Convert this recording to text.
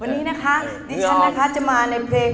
วันนี้นะคะดิฉันนะคะจะมาในเพลง